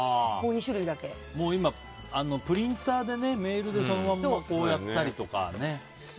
今、プリンターでメールでそのままやったりとかね。